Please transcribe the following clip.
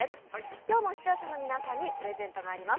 今日も視聴者の皆さんにプレゼントがあります。